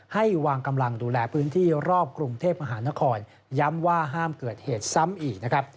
ให้วางกำลังดูแลพื้นที่รอบกรุงเทพมหานครย้ำว่าห้ามเกิดเหตุซ้ำอีกนะครับ